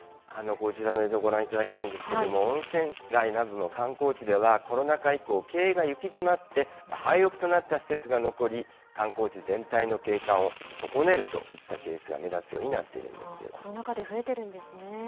こちらの映像、ご覧いただきたいんですけれども、温泉街などの観光地では、コロナ禍以降、経営が行き詰まって、廃屋となった施設が残り、観光地全体の景観を損ねるといったケースが目立つよコロナ禍で増えてるんですね。